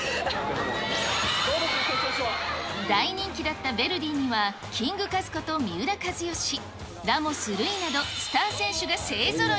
大人気だったヴェルディには、キングカズこと三浦知良、ラモス瑠偉など、スター選手が勢ぞろい。